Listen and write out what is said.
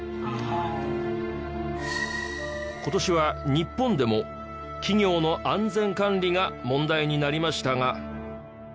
今年は日本でも企業の安全管理が問題になりましたが。